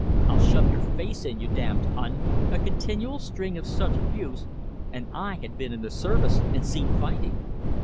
"I'll shove your face in, you damned Hun!" a continual string of such abuse; and I had been in the service, and seen fighting!